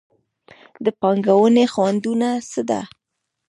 د پانګونې خنډونه څه دي؟